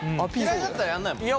嫌いだったらやんないもんね。